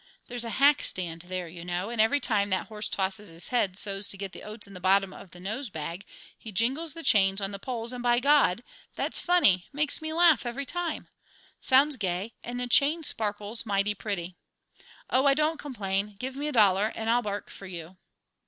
There's a hack stand there, you know, and every time that horse tosses his head so's to get the oats in the bottom of the nose bag he jingles the chains on the poles and, by God! that's funny; makes me laugh every time; sounds gay, and the chain sparkles mighty pretty! Oh, I don't complain. Give me a dollar and I'll bark for you!"